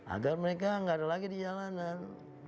agar mereka tidak ada lagi di jalanan